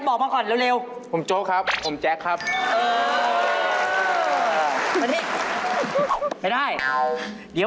นั่นมันโจ๊กครับอันนั้นมันตายไปแล้ว